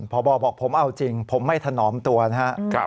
พบบอกผมเอาจริงผมไม่ถนอมตัวนะครับ